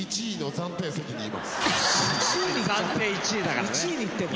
暫定１位だからね。